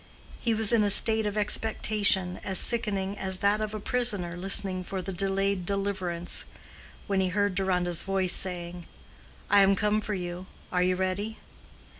He was in a state of expectation as sickening as that of a prisoner listening for the delayed deliverance—when he heard Deronda's voice saying, "I am come for you. Are you ready?"